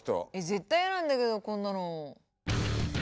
絶対嫌なんだけどこんなの。